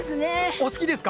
お好きですか？